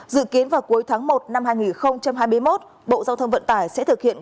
dự kiến vào cuối tháng một năm hai nghìn hai mươi một bộ giao thông vận tải sẽ thực hiện